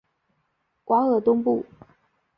瓦尔东布。